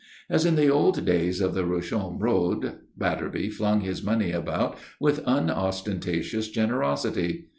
As in the old days of the Rusholme Road, Batterby flung his money about with unostentatious generosity.